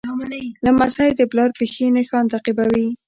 لمسی د پلار پښې نښان تعقیبوي.